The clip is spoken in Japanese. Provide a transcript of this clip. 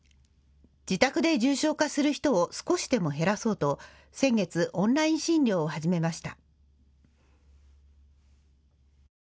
自宅で重症化する人を少しでも減らそうと先月、オンライン診療を始めました。